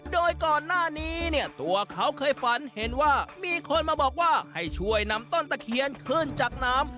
โดยก่อนหน้านี้เนี่ยตัวเขาเคยฝันเห็นว่ามีคนมาบอกว่าให้ช่วยนำต้นตะเคียนขึ้นจากน้ำ